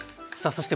そして